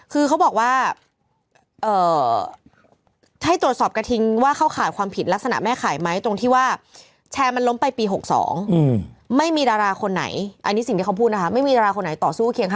คือเขาบอกว่าให้ตรวจสอบกระทิงว่าเขาข่าวความผิดลักษณะแม่ข่ายไหมตรงที่ว่าแชร์มันล้มไปปี๖๒ไม่มีดาราคนไหนต่อสู้เคียงข้างประชาชนเลย